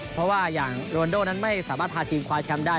เพราะว่าอย่างโรนโดนั้นไม่สามารถพาทีมคว้าแชมป์ได้